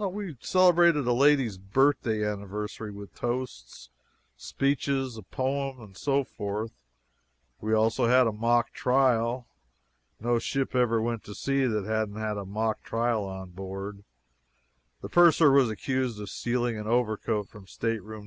We celebrated a lady's birthday anniversary with toasts, speeches, a poem, and so forth. We also had a mock trial. No ship ever went to sea that hadn't a mock trial on board. The purser was accused of stealing an overcoat from stateroom No.